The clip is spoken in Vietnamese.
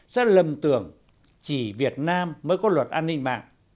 sẽ lầm tưởng chỉ việt nam mới có luật an ninh mạng